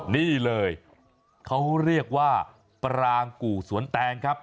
นี่เลยเขาเรียกว่าปรางกู่สวนแตงครับ